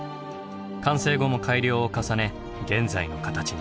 完成後も改良を重ね現在の形に。